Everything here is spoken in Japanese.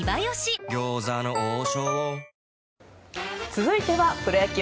続いてはプロ野球。